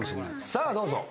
さあどうぞ。